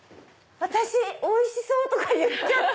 おいしそう！とか言っちゃった。